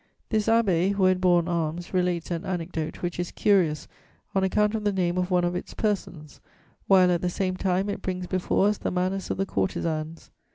This abbé, who had borne arms, relates an anecdote which is curious on account of the name of one of its persons, while, at the same time, it brings before us the manners of the courtesans.